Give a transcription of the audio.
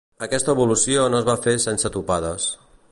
Aquesta evolució no es va fer sense topades.